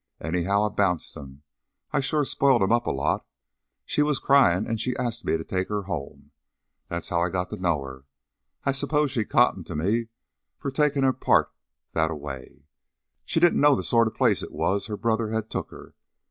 Anyhow, I bounced him. I sure spoiled him up a lot. She was cryin' an' she ast me to take her home. That's how I got to know her. I s'pose she cottoned to me for takin' her part that a way. She didn't know the sort of place it was her brother had took her.